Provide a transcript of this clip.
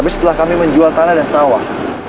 tapi setelah kami menjual tanah dan sawah